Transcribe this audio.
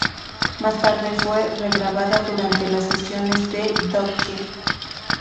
Más tarde fue re-grabada durante las sesiones de Dookie.